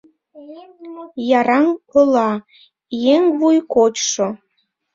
Яраҥ ола - еҥ вуй кочшо